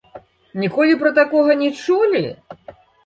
Ніколі пра такога не чулі?